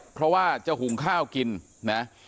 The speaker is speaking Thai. เพราะว่าจะหุงข้าวกินนะ